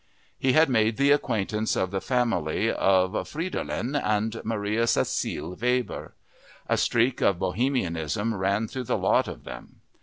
He had made the acquaintance of the family of Fridolin and Maria Cäcilie Weber. A streak of bohemianism ran through the lot of them.